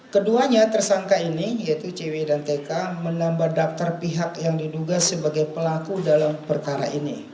keduanya tersangka ini yaitu cw dan tk menambah daftar pihak yang diduga sebagai pelaku dalam perkara ini